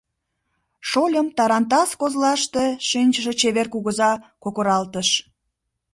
ШольымТарантас козлаште шинчыше чевер кугыза кокыралтыш: